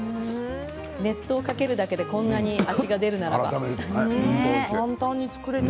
熱湯をかけるだけでこんなに、だしが出るなんて。